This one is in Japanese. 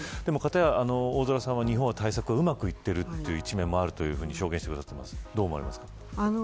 片や、大空さんは日本は対策がうまくいっているという一面もあるというふうに証言してくださっています。